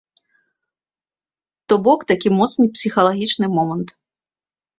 То бок, такі моцны псіхалагічны момант.